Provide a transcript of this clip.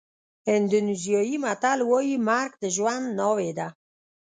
اندونېزیایي متل وایي مرګ د ژوند ناوې ده.